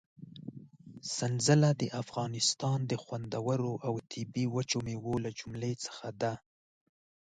سنځله د افغانستان د خوندورو او طبي وچو مېوو له جملې څخه ده.